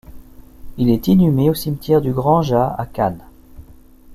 Il est inhumé au cimetière du Grand Jas à Cannes.